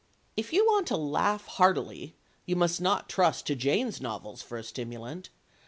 If you want to laugh heartily you must not trust to Jane's novels for a stimulant.